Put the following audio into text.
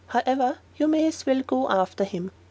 However, you may as well go after him."